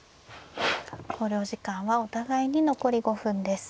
考慮時間はお互いに残り５分です。